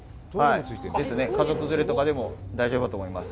家族連れとかでも大丈夫だと思います。